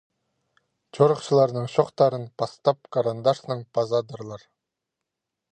Чорыхчыларның чоохтарын пастап карандашнаң пазадырлар.